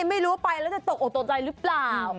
ไม่รู้ว่าไปแล้วจะตกโตตนใจหรือเปล่า